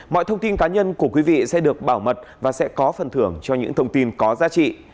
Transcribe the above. mọi thông tin cá nhân của quý vị sẽ được bảo mật và sẽ có phần thưởng cho những thông tin có giá trị